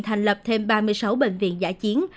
thành lập thêm ba mươi sáu bệnh viện giả chiến